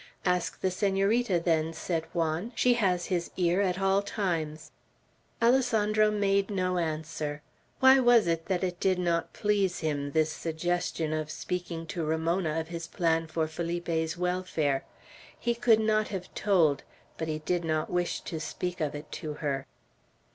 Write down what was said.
"Ask the Senorita, then," said Juan. "She has his ear at all times." Alessandro made no answer. Why was it that it did not please him, this suggestion of speaking to Ramona of his plan for Felipe's welfare? He could not have told; but he did not wish to speak of it to her.